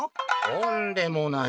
「とんでもない！